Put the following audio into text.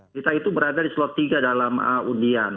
kita itu berada di slot tiga dalam undian